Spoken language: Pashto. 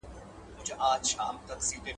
الله د توبې کوونکو سره مینه لري.